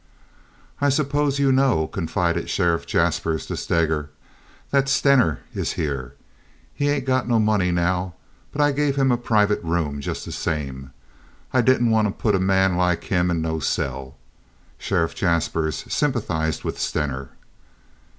"I suppose you know," confided Sheriff Jaspers to Steger, "that Stener is here. He ain't got no money now, but I gave him a private room just the same. I didn't want to put a man like him in no cell." Sheriff Jaspers sympathized with Stener.